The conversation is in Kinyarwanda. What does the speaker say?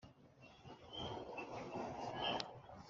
bw Uwiteka buherwe umugisha mu buturo bwe